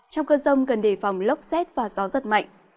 trong cơn rông cần đề phòng lốc xét và gió rất mạnh